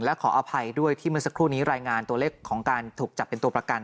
และขออภัยด้วยที่เมื่อสักครู่นี้รายงานตัวเลขของการถูกจับเป็นตัวประกัน